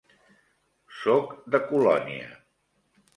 Soc de Colònia.